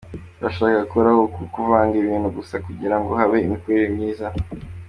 Turashaka gukuraho uku kuvanga ibintu gusa kugira ngo habe imikorere myiza.